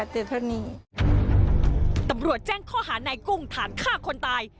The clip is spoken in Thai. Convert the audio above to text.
ตำรวจแจ้งข้อหานายกุ้งฐานฆ่าคนตาย